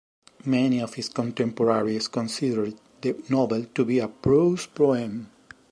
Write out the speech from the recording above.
Many of his contemporaries considered the novel to be a prose poem.